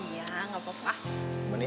ini exciting bisa ya teh